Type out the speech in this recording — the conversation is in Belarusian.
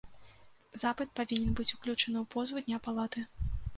Запыт павінен быць уключаны ў позву дня палаты.